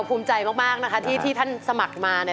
ขอบคุณค่ะ